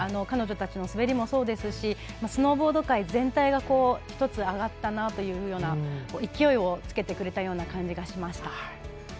彼女たちの滑りもそうですしスノーボード界全体が１つ上がったなというような勢いをつけてくれたような感じがしました。